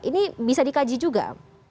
ini bisa dikaji juga